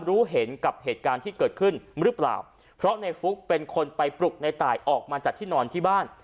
รู้เห็นกับเหตุการณ์ที่เกิดขึ้นหรือเปล่าเพราะในฟุ๊กเป็นคนไปปลุกในตายออกมาจากที่นอนที่บ้าน